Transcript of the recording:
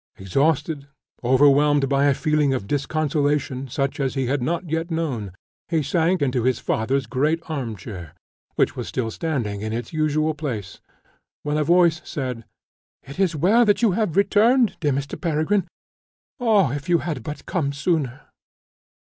Exhausted, overwhelmed by a feeling of disconsolation such as he had not yet known, he sank into his father's great arm chair, which was still standing in its usual place, when a voice said, "It is well that you have returned, dear Mr. Peregrine; ah, if you had but come sooner!"